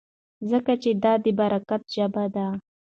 ځکه چې دا د برکت ژبه ده.